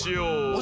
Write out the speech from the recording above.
お！